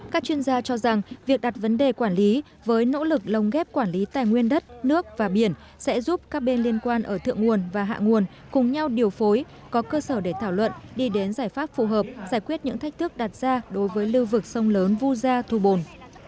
các chuyên gia cho rằng việc đặt vấn đề quản lý với nỗ lực lồng ghép quản lý tài nguyên đất nước và biển sẽ giúp các bên liên quan ở thượng nguồn và hạ nguồn cùng nhau điều phối có cơ sở để thảo luận đi đến giải pháp phù hợp giải quyết những thách thức đặt ra đối với lưu vực sông lớn vu gia thu bồn